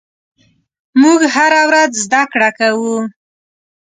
موږ هره ورځ زدهکړه کوو.